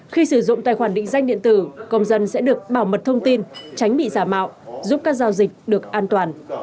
khi sử dụng tài khoản định danh điện tử công dân sẽ được bảo mật thông tin tránh bị giả mạo giúp các giao dịch được an toàn